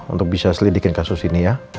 untuk bisa selidikin kasus ini ya